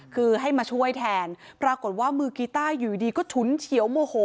คือให้มาช่วยแทนปรากฏว่ามือกีต้าอยู่ดีก็ฉุนเฉียวโมโห